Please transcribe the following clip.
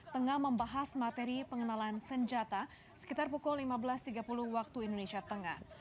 tengah membahas materi pengenalan senjata sekitar pukul lima belas tiga puluh waktu indonesia tengah